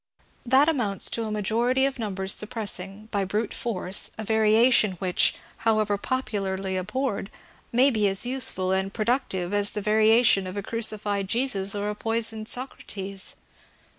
That amounts to a majority of numbers suppressing, by brute force, a variation which, however popularly abhorred, may be as useful and productive as the variation of a cruci fied Jesus or a poisoned Socrates.